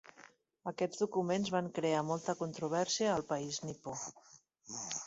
Aquests documents van crear molta controvèrsia al país nipó.